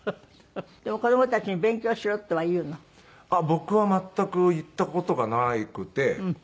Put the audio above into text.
僕は全く言った事がなくて。